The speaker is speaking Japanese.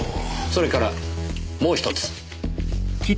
それからもう一つ。